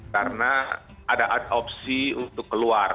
karena ada opsi untuk keluar